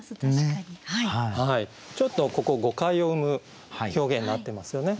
ちょっとここ誤解を生む表現になってますよね。